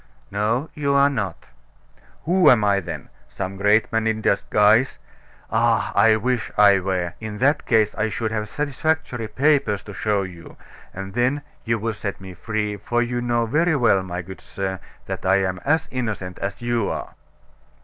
"No, you are not." "Who am I then? Some great man in disguise? Ah! I wish I were! In that case, I should have satisfactory papers to show you; and then you would set me free, for you know very well, my good sir, that I am as innocent as you are."